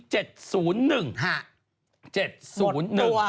หมดตัว